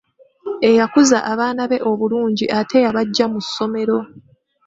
Eyakuza abaana be obulungi ate yabaggya mu ssomero.